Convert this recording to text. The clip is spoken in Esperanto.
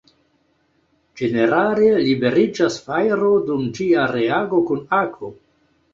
Ĝenerale liberiĝas fajro dum ĝia reago kun akvo.